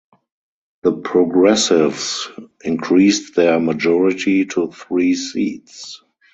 The Progressives increased their majority to three seats.